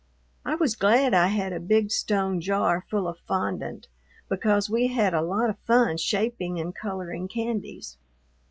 I was glad I had a big stone jar full of fondant, because we had a lot of fun shaping and coloring candies.